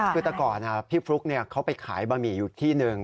คือแต่ก่อนพี่ฟลุ๊กเขาไปขายบะหมี่อยู่ที่หนึ่ง